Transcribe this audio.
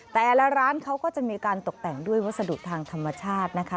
แต่ละร้านเขาก็จะมีการตกแต่งด้วยวัสดุทางธรรมชาตินะคะ